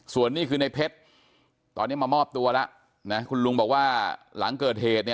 ส่วนนี้คือในเพชรตอนนี้มามอบตัวแล้วนะคุณลุงบอกว่าหลังเกิดเหตุเนี่ย